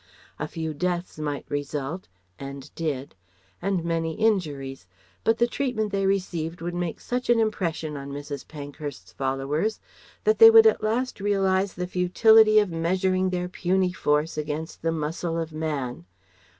A few deaths might result (and did), and many injuries, but the treatment they received would make such an impression on Mrs. Pankhurst's followers that they would at last realize the futility of measuring their puny force against the muscle of man.